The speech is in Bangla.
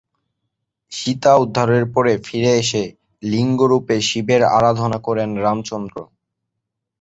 সীতা উদ্ধারের পরে ফিরে এসে, লিঙ্গ রূপে শিবের আরাধনা করেন রামচন্দ্র।